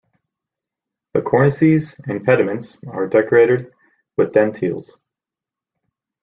The cornices and pediments are decorated with dentils.